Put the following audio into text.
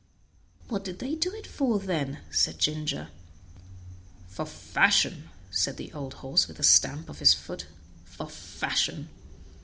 "What did they do it for then?" said Ginger. "For fashion!" said the old horse with a stamp of his foot; "for fashion!